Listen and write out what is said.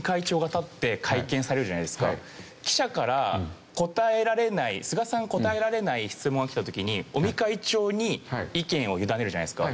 記者から答えられない菅さんが答えられない質問が来た時に尾身会長に意見を委ねるじゃないですか。